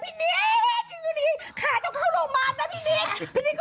พี่นิ้งอยู่นี่ขาจะเข้าโรงพยาบาลนะพี่นิ้ง